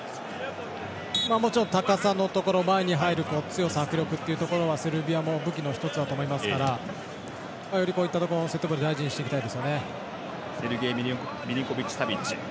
もちろん高さのところ前に入る、強さ迫力はセルビアの武器の１つだと思いますからよりこういったところのセットプレー大事にしていきたいですね。